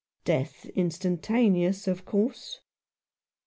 " Death instantaneous, of course